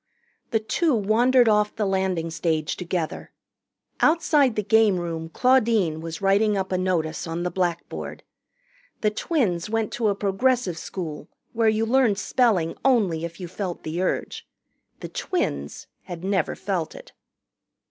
The two wandered off the landing stage together. Outside the gameroom Claudine was writing up a notice on the blackboard. The twins went to a progressive school where you learned spelling only if you felt the urge. The twins had never felt it.